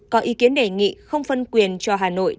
có ý kiến đề nghị không phân quyền cho hà nội